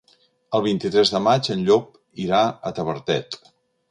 El vint-i-tres de maig en Llop irà a Tavertet.